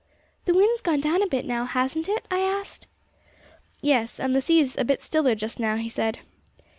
'The wind's gone down a bit now, hasn't it?' I asked. 'Yes, and the sea's a bit stiller just now,' he said.